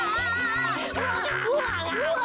うわっうわっうわ！